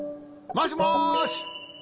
もしもし？